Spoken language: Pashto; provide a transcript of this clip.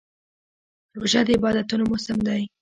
روژه د عبادتونو موسم دی.